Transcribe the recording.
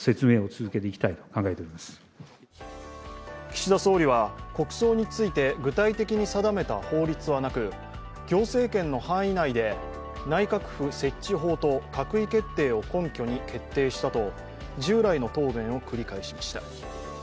岸田総理は、国葬について具体的に定めた法律はなく行政権の範囲内で内閣府設置法と閣議決定を根拠に決定したと従来の答弁を繰り返しました。